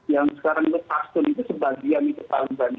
yang sekarang itu sebagian itu taliban